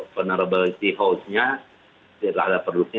vulnerability holes nya lada produknya